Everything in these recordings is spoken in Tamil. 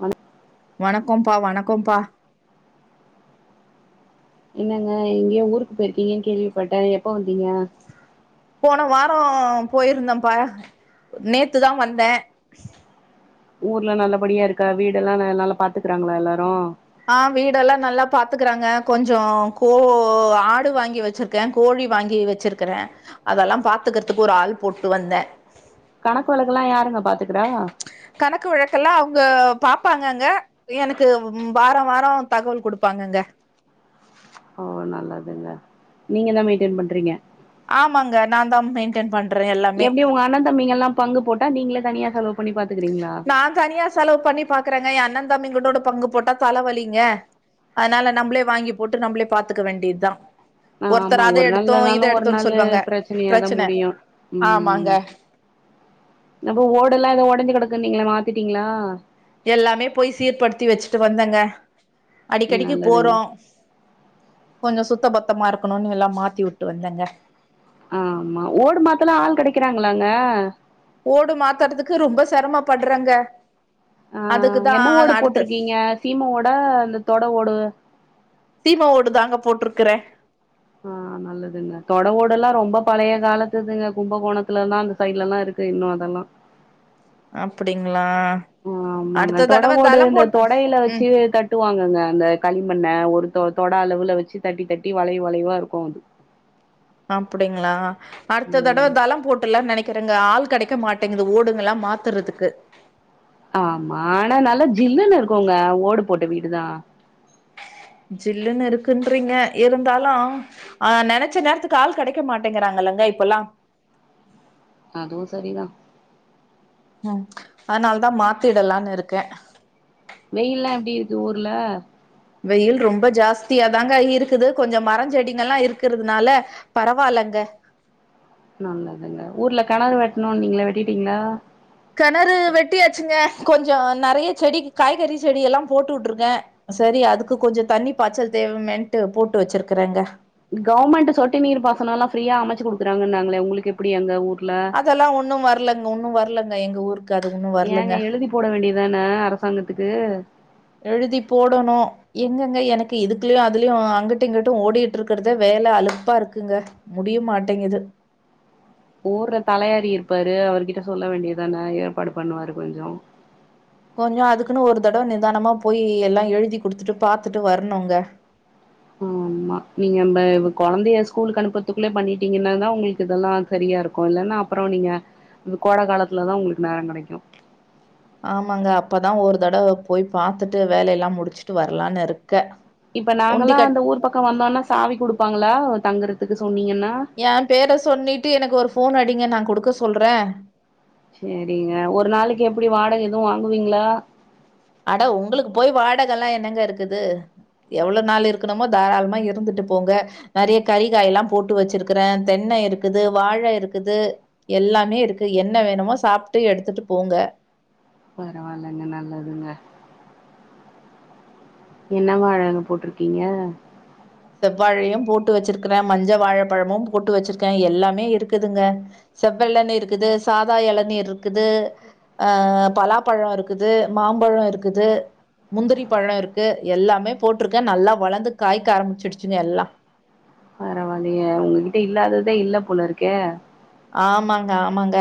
வண வணக்கம்ப்பா வணக்கம்ப்பா என்னங்க எங்கயோ ஊருக்கு போயிருக்கீங்கன்னு கேள்விப்பட்ட எப்ப வந்தீங்க போன வாரோ போயிருந்தம்ப்பா நேத்துதா வந்த ஊர்ல நல்லபடியா இருக்கா வீடெல்லாம் ந நல்லா பாத்துக்கறாங்களா எல்லாரும் ஆ வீடெல்லாம் நல்லா பாத்துக்கறாங்க கொஞ்சோ கோ ஆடு வாங்கி வச்சிருக்கேன் கோல் வாங்கி வச்சிருக்கறேன் அதெல்லாம் பாத்துக்கறதுக்கு ஒரு ஆள் போட்டு வந்த கணக்கு வெலக்குல்லாம் யாருங்க பாத்துக்கறா கணக்கு வழக்கெல்லாம் அவங்கப் பாப்பாங்கங்க எனக்கு ம் வாரோ வாரோ தகவல் குடுப்பாங்கங்க ஓ நல்லதுங்க நீங்க தா மெய்ன்டெய்ன் பண்றீங்க ஆமாங்க நான் தான் மெய்ன்டென் பண் எப்டி உங்க அண்ண தம்பீங்கெல்லா பங்கு போட் நான் தனியா செலவு பண்ணி பாக்குறேங்க என் அண்ணன் தம்பிங்கிட்டோடு பங்கு போட்டா தலவலிங்க அதுனால நம்ளே வாங்கி போட்டு நம்ளே பாத்துக்க வேண்டிதா ஆ ஆமா ஒரு நாள் இல்லனாலு ஒரு நாளு சொல்வாங்க பிரச்சினியாதா பிரச்சன முடியு ஆமாங்க ம் அப்ப ஓடெல்லா எதோ ஒடஞ்சு கெடக்குனீங்ள மாத்திட்டீங்ளா எல்லாமே போய் சீர்படுத்தி வச்சுட்டு வந்தங்க அடிக்கடிக்கு நல்லதுங்க போறோ கொஞ்சோ சுத்த பத்தமா இருக்கணுனு எல்லா மாத்தி உட்டு வந்தங்க ஆமா ஓடு மாத்தலா ஆள் கெடைக்கிறாங்குளாங்க ஓடு மாத்தறதுக்கு ரொம்ப செரம பட்றங்க ஆ என்ன ஓடு போட்ருக்கீங்க சீம ஓடா இந்த தொட ஓடு சீம ஓடு தாங்க போட்ருக்கிறே ஆ நல்லதுங்க தொட ஓடெல்லா ரொம்ப பழைய காலத்திதுங்க கும்பகோணத்துலதா அந்த சைடுலல்லா இருக் கு இன்னு அதலா அப்புடிங்கு ம் ஆமாங்க தொடவோடு தளம் இந்த போட் தொடைல ம் வச்சு தட்டுவாங்கங்க அந்த களிமண்ண ஒரு தொ தொடா அளவுல வச்சு தட்டி தட்டி வளைவ் வளைவா இருக்கு அது அப்புடிங்ளா அடுத்த தடவ ம் தளம் போட்டுலா நெனைக் திருங்க ஆள் கெடைக்க மாட்டேங்குது ஓடுங்குலா மாத்துறதுக்கு ஆமா ஆனா நல்லா ஜில்லுன்னு இருக்குங்க ஓடு போட்ட வீடுதா ஜில்லுன்னு இருக்குன்றீங்க இருந்தாலு அ நெனச்ச நேரத்துக்கு ஆள் கெடைக்க மாட்டேங்குறாங்க இல்லங்க இப்பல்லா அதுவு சரிதா ம் அதுனால தா மாத்திடலான் இருக்கே வெயில்லா எப்டி இருக்கு ஊர்ல வெயில் ரொம்ப ஜாஸ்தியாதாங்க இருக்குது கொஞ்சம் மரஞ் செடிங்கல்லா இருக்கிறுதுனால பரவாலங்க நல்லதுங்க ஊர்ல கணறு வெட்ணுணீங்ளே வெட்டிடீங்ளா கெணறு வெட்டியாச்சுங்க கொஞ்சோ நறைய செடிக்கு காய்கறி செடி எல்லா போட்டு உட்டுருக்கே சரி அதுக்கு கொஞ்சோ தண்ணி பாய்ச்சல் தேவமேன்ட்டு போட்டு வச்சிருக்குறேங்க கவ்மெண்ட்டு சொட்டு நீர் பாசனோலா ஃப்ரீயா அமச்சு குடுக்குறாங்கன் நாங்குளே உங்ளுக்கு எப்டி அங்க ஊர் அதெல்லா ஒன்னு வர்லங்க ஒன்னு வர்லங்க எங்க ஊரு ஏங்க எழுதி போட வேண்டிதான அரசாங்கத்துக்கு எழுதி போடணு எ ங்கங்க எனக்கு இதுக்குல்லயு அதுலயு அங்குட்டு இங்கிட்டு ஓடிகிட்டிருக்கற்தே வேல அழுப்பா இருக்குங்க முடியு மாட்டேங்கிது ஊர்ர தலையாடி இருப்பாரு அவர்கிட்ட சொல்ல வேண்டிதான ஏற்பாடு பண்ணுவாரு கொஞ்சோ கொஞ்சோ அதுக்குனு ஒரு தடவ நிதானமா போயி எல்லா எழுதி குடுத்துட்டு பாத்துட்டு வர்ணுங்க உ [unintelligible] ஆமா நீங்க ப கொழந்தைய ஸ்கூலுக்கு அனுப்பற்துக்குள்ள பண்ணிடீங்கன்னால்தா உங்ளுக்கு இதெல்லா சரி யா இருக்கு இல்லனா அப்புறோ நீங்க இனி கோட காலத்துல தா உங்ளுக்கு நேரன் கெடைக்கு ஆமாங்க அப்பதா ஒரு தடவ போய் பாத்துட்டு வேலெல்லா முடிச்சுட்டு வர்லான் இரு இப்ப நாங்கலா அந்த ஊர் பக்கோ வந்தோனா சாவி குடுப்பாங்களா தங்கற ஏன் பேர சொன்னிட்டு எனக்கு ஒரு ஃபோன் அடிங்க நான் குடுக்க சொல்ற சேரிங்க ஒரு நாளைக்கு எப்புடி வாடக எதூ வாங்குவீங்ளா அட உங்களுக்கு போய் வாடகலா என்னங்க இருக்குது எவ்ள நாள் இருக்கணுமோ தாராளுமா இருந்துட்டு போங்க நறைய கறிக்காயெல்லா போட்டு வச்சிருக்கிற தென்ன இருக்குது வாழ இருக்குது எ ல்லாமே இருக்கு என்ன வேணுமோ சாப்ட்டு எடுத்துட்டு போங்க பரவாயிலங்க நல்லதுங்க என்ன வாழ இலை போட்டிருக்கீங்க செவ்வாழையும் போட்டு வச்சிருக்கிறேன் மஞ்ச வாழைப்பழமும் போட்டு வச்சிருக்கேன் எல்லாமே இருக்குதுங்க செவ்வெழநீர் இருக்குது சாதா எளநீர் இருக்குது ஆ ஆ பலாப்பழம் இருக்குது மாம்பழம் இருக்குது முந்திரிப்பழம் இருக்கு எல்லாமே போட்டிருக்கேன் நல்லா வளந்து காய்க்க ஆரம்பிச்சடுச்சுங்க எல்லா பரவாயில்லயே உங்ககிட்ட இல்லாததே இல்ல போலிருக்கே ஆமாங்க ஆமாங்க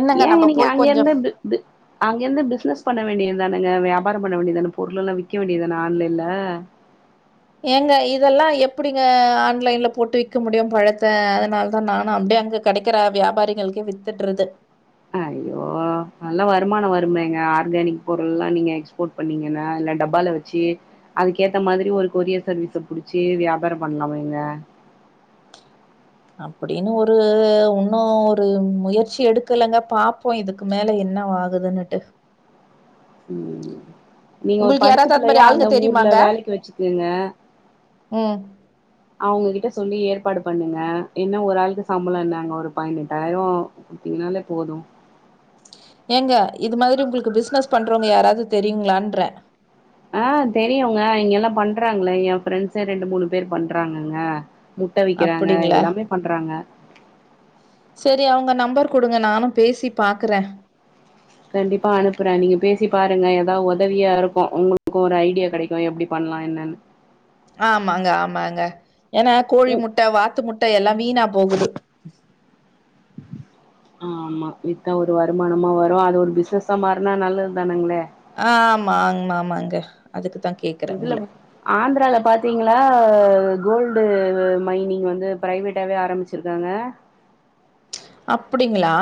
என்னங்க ஏங்க நம்ம நீங்க போய் கொஞ்சோ அங்கேருந்து பி பி அங்கேருந்து பிசினஸ் பண்ண வேண்டியதுதானங்க வியாபாரம் பண்ண வேண்டிதானே பொருளெல்லாம் விக்க வேண்டியதுதானே ஆன்லைன்ல ஏங்க இதெல்லாம் எப்டிங்க ஆன்லைன்ல போட்டு விக்க முடியும் பழத்த அதனால்தான் நானும் அப்டே அங்கு கெடைக்கிற வியாபாரிகளுக்கே வித்துடுறது ஐய்யோ நல்லா வருமானோ வருமேங்க ஆர்கானிக் பொருள்லா நீங்க எக்ஸ்போர்ட் பண்ணீங்கன்னா டப்பால வெச்சி அதுக்கேத்த மாதிரி ஒரு கொரியர் சர்வீஸ புடிச்சி வியாபாரம் பண்ணலாமேங்க அப்படின்னு ஒரு ஒன்னு ஒரு முயற்சி எடுக்கலங்க பாப்போ இதுக்கு மேல என்ன வா அங்க நின்னுட்டு ம் நீங்க ஒரு உங்களுக்கு படிச்ச யாராவது அது மாரி பிள்ளையா ஆளுங்க அங்க ஊர்ல தெரியுமாங்க? வேலைக்கு வச்சுக்குங்க ம் அவங்ககிட்ட சொல்லி ஏற்பாடு பண்ணுங்க என்ன ஒரு ஆளுக்கு சம்பளோ என்னாங்க ஒரு பதினெட்டாயிரோ குடுத்தீங்கனாலே போது ஏங்க இது மாதிரி உங்களுக்கு பிஸ்னஸ் பண்றவங்க யாராவது தெரியுங்ளான்றே ஆ தெரியுங்க இங்க எல்லா பண்றாங்கலே ஏ ஃப்ரெண்ட்ஸ்சே ரெண்டு மூணு பேர் பண்றாங்கங்க முட்ட விக்கறாங்க அப்படிங்களா? எல்லாமே பண்றாங்க சரி அவங்க நம்பர் குடுங்க நானு பேசி பாக்கறே கண்டிப்பா அனுப்பறே நீங்க பேசி பாருங்க எதாவ் ஒதவியா இருக்கு உங்களுக்கு ஒரு ஐடியா கெடைக்கு எப்டி பண் லா என்னன்னு ஆமாங்க ஆமாங்க எனா கோழி ம் முட்ட, வாத்து முட்ட எல்லா வீணா போகுது ஆ வித்தா ஒரு வருமானமா வரு அது ஒரு பிஸ்னஸா மாறுனா நல்லதுதானங்களே ஆமாங் மாமாங்க அதுக்கு தான் கேக்குறேன். உங்கள இதுல ஆந்திரால பாத்தீங்ளா கோல்டு மைனிங் வந்து பிரைவேட்டாவே ஆரம்பிச்சிருக்காங்க அப்படிங்களா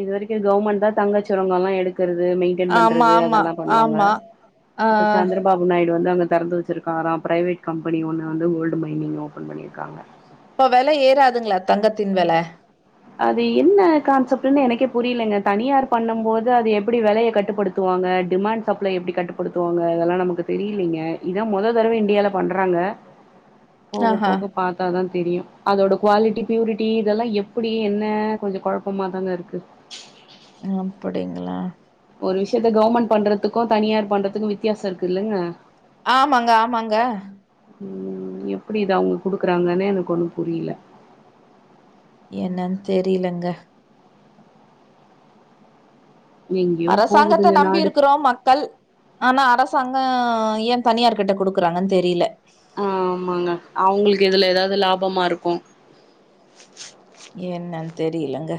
இது வரைக்கு கவர்மெண்ட் தா தங்கச்சுரங்கல்லா எடு கறது மெயின்டெய்ன் ஆமா பண்றது ஆமா அதல்லா பண்ணுவாங்க ஆமா ஆ இப்ப சந்திரபாபு நாயு டு வந்து அங்க தெறந்து வெச்சிருக்காரா பிரைவேட் கம்பனி ஒண்ணு வந்து கோல்டு மைனிங் ஓபன் பண்ணிருக்காங்க இப்ப வெல ஏறாதுங்ளா தங்கத்தின் வெல அது என்ன கான்செப்ட்ன்னு எனக்கே புரிலங்க தனியார் பண்ணம்போது அது எப்படி வெலைய கட்டுப்படுத்துவா ங்க டிமாண்ட் சப்ளை எப்டி கட்டுப்படுத்துவாங்க அதல்லா நமக்கு தெரியலீங்க இதா மொத தடவ இன்டியால பண்றாங்க போக ஆஹா போக பாத்தாதா தெரியு அதோட குவாலிட்டி பியூரிட்டி இதெல்லா எப் புடி என்ன கொஞ்சோ கொழப்பமாதாங்க இருக்கு அப்படிங்களா ஒரு விஷயத்த கவர்மெண்ட் பண்றதுக்கும் தனியார் பண்றதுக்கு தனியார் பண்றதுக்கு வித்தியாசோ இருக்குல்லங்க ஆமாங்க ஆமாங்க ம் எப்படி இத அவுங்க குடுக்கறாங்கன்னே எனக்கு ஒண்ணு புரில என்னன் தெரிலங்க எங்கேயோ அரசாங்கத்த போகுதுங்க நாடு நம்பி இருக்கறோ மக்கள் ஆனா அரச சங்க ஏ தனியார் கிட்ட கொடுக்குறாங்கன்னு தெரில ஆஹ் ஆமாங்க அவுங்களுக்கு இதுல எதாவது லாபமா இருக்கு என்னன்னு தெரியலங்க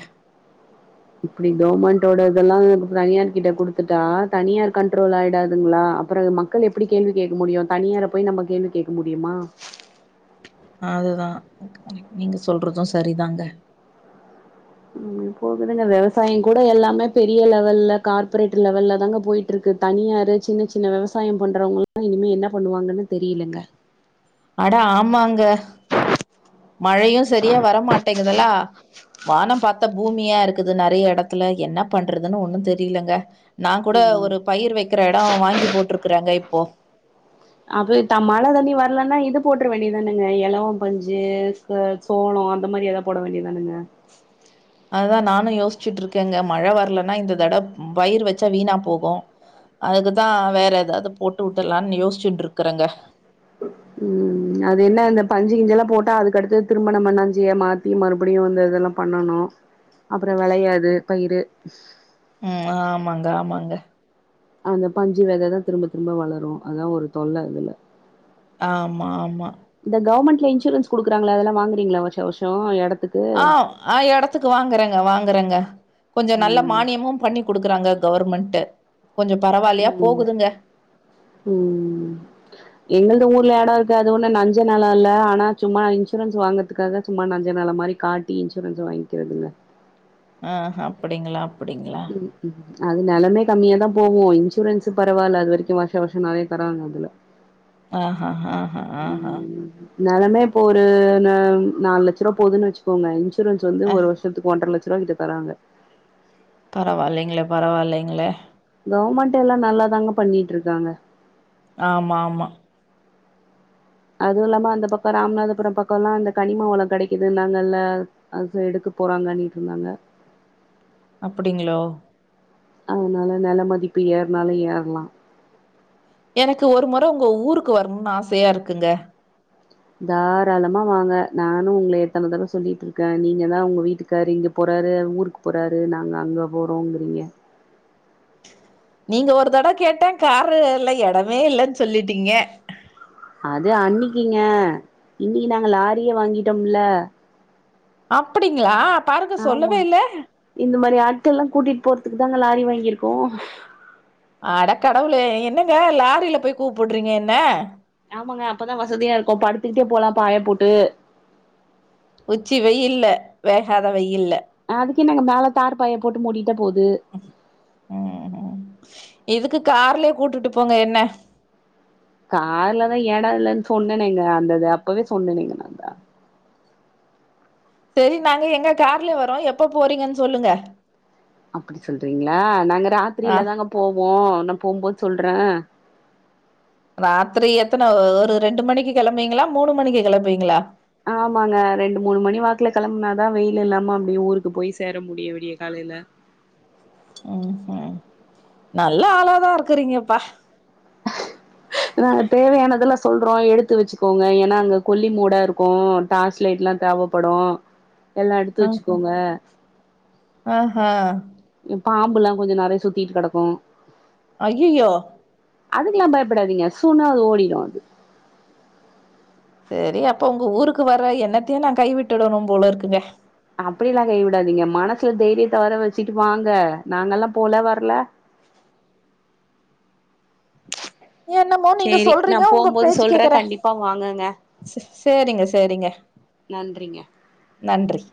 இப்டி கவுர்மண்டோட இதெல்லா தனியார் கிட்ட குடுத்துட்டா தனியார் கண்ட்ரோல் ஆயிடாதுங்களா அப்பறோ மக்கள் எப்டி கேள்வி கேக்க முடியு தனியார போய் நம்ம கேள்வி கேக்க முடியுமா அதுதா நீங்க சொல்றது சரிதாங்க போகுதுங்க விவசாயோ கூட எல்லாமே பெரிய லெவல்ல கார்ப்ரேட் லெவல்ல தாங்க போயிட்டு இருக்கு தனி தனியாரு சின்ன சின்ன விவசாயோ பண்றவங்கல்லா இனிமே என்ன பண்ணுவாங்கன்னு தெரியலங்க அடா ஆமாங்க மழையு சரியா வரமாட்டேங்குதல்லா வானோ பாத்த பூமியா இருக்குது நெறைய எடத்துல என்ன பண்றதுன்னு ஒன்னு தெரியலங்க நா கூட ம் ஒரு பயிர் வெக்கற எடோ வாங்கி போட்ருக்கறங்க இப்போ அப்ப மழை தண்ணி வரலன்னா இது போட்ற வேண்டியதானுங்க எளவோ பஞ்சு சோளோ அந்த மாரி எதா போட வேண்டியதானுங்க அதுதா நானு யோசிச்சிட்டு இருக்கேங்க மழை வரலன்னா இந்த தட பயிறு வச்சா வீணா போகு அதுக்குதா வேற எதாவது போட்டு உட்டர்லானு யோசிச்சுட்டு இருக்கறங்க உம் அது என்ன இந்த பஞ்சு கிஞ்ச எல்லா போட்டா அதுக்கடுத்து திரும்ப நம்ப நஞ்சியா மாத்தி மறுபடியு இங்க வந்து இதெல்லா பண்ணணு அப்றோ வெளயாது பயிரு உம் ஆமாங்க ஆமாங்க அந்த பஞ்சு வெத தா திரும்ப திரும்ப வளரு அதா ஒரு தொல்ல அதுல ஆமா ஆமா இந்த கவர்மெண்ட்ல இன்சூரன்ஸ் குடுக்கறாங்கள அதெல்லா வாங்கறீங்களா வருஷ வருஷோ எடத் ஆஹ் எடத்துக்கு வாங்கறேங்க வாங்கறேங்க கொஞ்சோ நல்ல ம் மானியமு பண்ணி குடுக்குறாங்க கவர்மெண்ட்டு உம் உம் எங்கள்து ஓ எடோ இருக்கு அது ஒன்னு நஞ்ச நிலோ இல்ல ஆனா சும்மா இன்சூரன்ஸ் வாங்கறதுக்காக சும்மா நஞ்ச நிலோ மாரி காட்டி இன்சூரன்ஸ் வாங்கிக்கிறதுங்க ஆஹ்ஹ அப்டிங்களா உம் உம் அது நெலமே கம்மியா தா போவு இன்சூரன்ஸ் பரவால்ல அது வரிக்கு வருஷ வர்ஷோ நெறைய தராங்க அதுல ஆஹ்ஹஹ உம் நெலமே இப்போ ஒரு நாலு லட்ச ருபா போதுன்னு வச்சுக்கோங்க இன்சூரன்ஸ் வந்து ஆ ஒரு வருஷத்துக்கு ஒன்றர லட்ச ருபாகிட்ட தராங்க பரவால்லைங்களே பரவால்லைங்களே கவர்மெண்ட் எல்லா நல்லாதாங்க பண்ணிட்டு இருக்காங்க ஆமா ஆமா அதுவு இல்லாம அந்த பக்கோ ராமநாதபுரோ பக்கோ எல்லா அந்த கனிமவளோ கெடைக்குது நாங்கல்ல அது எடு போறாங்கண்ணிட்டு இருந்தாங்க அப்டிங்களோ அதனால நெல மதிப்பு ஏற்னாலு ஏற்லா எனக்கு ஒரு மொற உங்க ஊருக்கு வரணும்னு ஆசையா இருக்குங்க தாராளமா வாங்க நானு உங்கள எத்தன தடவ சொல்லிட்டு இருக்க நீங்க தா உங்க வீட்டுக்காரு இங்க போற றாரு ஊருக்கு போறாரு நாங்க அங்க போறோங்கிறீங்க நீங்க ஒரு தடவ கேட்ட காருல்ல எடமே இல்லன்னு சொல்லிட்டீங்க அது அன்னிக்கிங்க இன்னிக்கு நாங்க லாரியே வாங்கிட்டோம்ல அப்டிங்களா பாருங்க சொல்லவே இல்ல ட்ட எல்லா கூட்டிட்டு போறதுக்கு தாங்க லாரி வாங்கியிருக்கோ அட கடவுளே என்னங்க லாரில போய் கூப்புடுறீங்க என்ன ஆமாங்க அப்பதா வசதியா இருக்கு படுத்துக்கிட்டே போலா பாய போட்டு உச்சி வெயில்ல வேகாத வெயில்ல அதுக்கே நாங்க மேல தார் பாய போட்டு மூடி ம் ம் இதுக்குத் கார்லே கூட்டுட்டு போங்க என்ன கார்லதா எட இல்லன் சொன்னேனேங்க அந்தது அப்பவே சொன்னனேங்க நாந்தா சரி நாங்க எங்க கார்ல வரோ எப்ப போறீங்கன் சொல்லுங்க அப்பிடி சொல்றீங்ளா நாங்க ஆ, ராத்திரில தாங்க போவ் வோ நா போம்போது சொல்றே ராத்திரி எத்தன ஒரு ரெண்டு மணிக்கு கெளம்புவீங்களா மூணு மணிக்கு கெளம்புவீங்களா ஆமாங்க ரெண்டு மூணு மணி வாக்குல கெளம்புனாதா வெயிலில்லாம அப்டியே ஊருக்கு போய் சேர முடியு விடிய கால் இல ம் ம் நல்ல ஆளாதா இருக்குறீங்கப்பா ஆ தேவையானதுலா ஸ் சொல்றோ எடுத்து வச்சுக்கோங்க ஏனா அங்க கொள்ளிங்கூட இருக்கூ டார்ச் லைட்லா தேவைப்படு எல்லா எடுத்து ஆஹ வச்சுக்கோங்க ஆஹா ம் பாம்புல்லா கொஞ்சோ நறைய சுத்திட்டு கெடக்கூ அய்யிய்யோ அதுக்குலா பயப்படாதீங்க சூனா அது ஓடிடு அது செரி அப்ப உங்க ஊருக்கு வர்ற எண்ணத்தியு நா கைவிட்டுடணும் போல இருக்குங்க அப்டிலா கை விடாதீங்க மனசுல தைரியத்த வர வச்சுட்டு வாங்க நாங்கல்லா போல வரல என்னமோ நீங்க சேரி நா சொல்றீங்க போம்போது சொல்றே கண்டிப்பா வாங்கங்க ஸ் சேரிங்க சேரிங்க நன்றிங்க நன்றி